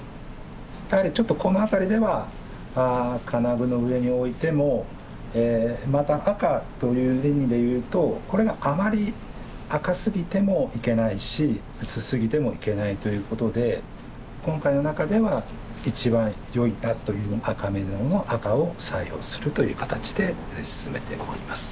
やはりちょっとこのあたりでは金具の上に置いてもまた赤という意味でいうとこれがあまり赤すぎてもいけないし薄すぎてもいけないということで今回の中では一番よいなという赤瑪瑙の赤を採用するという形で進めております